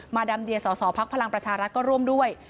ดามเดียสสพลังประชารัฐก็ร่วมด้วย